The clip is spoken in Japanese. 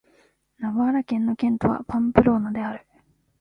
ナバーラ県の県都はパンプローナである